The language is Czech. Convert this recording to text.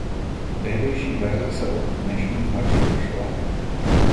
Tehdejší verze se od dnešní značně lišila.